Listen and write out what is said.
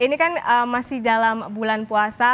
ini kan masih dalam bulan puasa